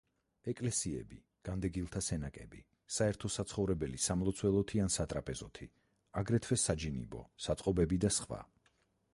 ეკლესიები, განდეგილთა სენაკები, საერთო საცხოვრებელი სამლოცველოთი ან სატრაპეზოთი, აგრეთვე საჯინიბო, საწყობები და სხვა.